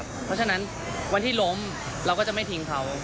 เพราะฉะนั้นวันที่ล้มเราก็จะไม่ทิ้งเขา